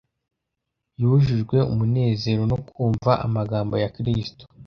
Yujujwe umunezero no kumva amagambo ya Kristo,